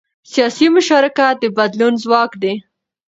سیاسي مشارکت د بدلون ځواک دی